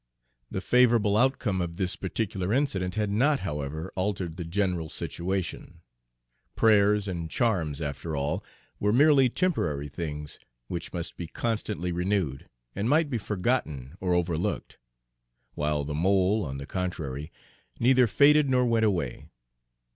The favorable outcome of this particular incident had not, however, altered the general situation. Prayers and charms, after all, were merely temporary things, which must be constantly renewed, and might be forgotten or overlooked; while the mole, on the contrary, neither faded nor went away.